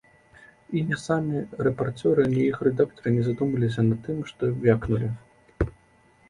І ні самі рэпарцёры, ні іх рэдактары не задумаліся над тым, што вякнулі.